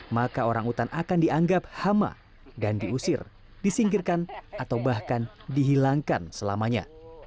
maka orang utan akan dianggap hama dan diusir disingkirkan atau bahkan dihilangkan selamanya